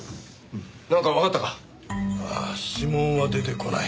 ああ指紋は出てこない。